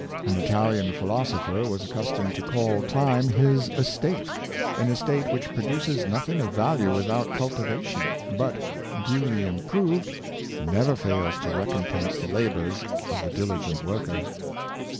An Italian philos opher was accustomed to call time his estate — an es tate which produces nothing of value without cultiva tion, but, duly improved, never fails to recompense the labors of the diligent worker.